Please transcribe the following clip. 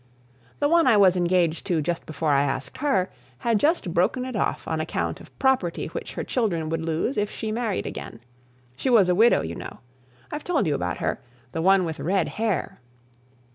"The one I was engaged to just before I asked her, had just broken it off on account of property which her children would lose if she married again. She was a widow, you know. I've told you about her the one with red hair.